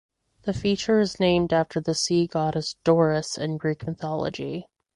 The feature is named after the sea goddess Doris in Greek mythology.